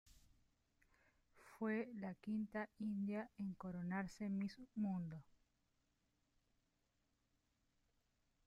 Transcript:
Fue la quinta india en coronarse Miss Mundo.